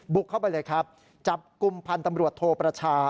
เข้าไปเลยครับจับกลุ่มพันธ์ตำรวจโทประชา